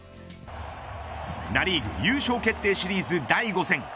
ナ・リーグ優勝決定シリーズ第５戦。